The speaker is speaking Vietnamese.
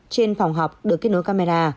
trên phòng học được kết nối camera